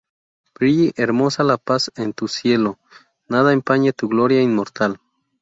Brille hermosa la paz en tu cielo, nada empañe tu gloria inmortal